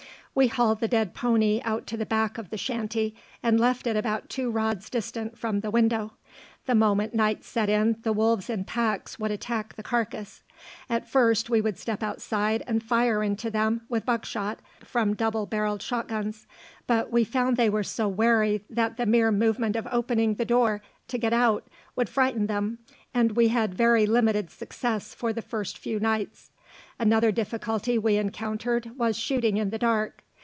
We hauled the dead pony out to the back of the shanty, and left it about two rods distant from the window. The moment night set in the wolves in packs would attack the carcass. At first we would step outside and fire into them with buck shot from double barrelled shotguns, but we found they were so wary that the mere movement of opening the door to get out would frighten them, and we had very limited success for the first few nights. Another difficulty we encountered was shooting in the dark.